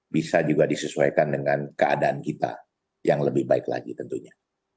bisa juga disesuaikan dengan keadaan kita yang lebih baik lagi tentunya